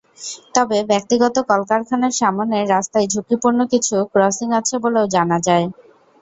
তবে ব্যক্তিগত কলকারখানার সামনের রাস্তায় ঝুঁকিপূর্ণ কিছু ক্রসিং আছে বলেও জানা যায়।